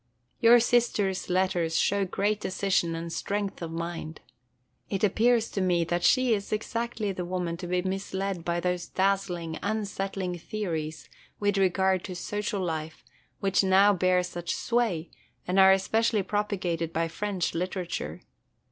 Your sister's letters show great decision and strength of mind. It appears to me that she is exactly the woman to be misled by those dazzling, unsettling theories with regard to social life which now bear such sway, and are especially propagated by French literature.